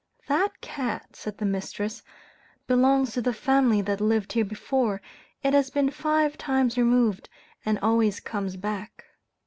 "That cat," said the mistress, "belongs to the family that lived here before, it has been five times removed, and always comes back."